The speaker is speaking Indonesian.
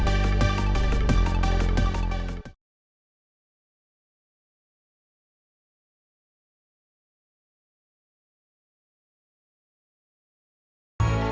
telah menikmati mengunjungi nge ikea biare dua